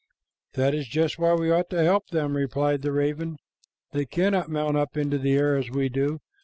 "That is just why we ought to help them," replied the raven. "They cannot mount up into the air as we do.